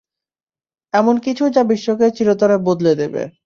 এমন কিছু যা বিশ্বকে চিরতরে বদলে দেবে।